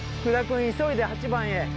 君急いで８番へ。